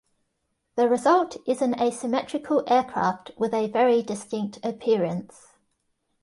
The result is an asymmetrical aircraft with a very distinct appearance.